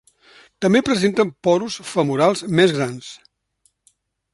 També presenten porus femorals més grans.